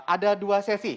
ada dua sesi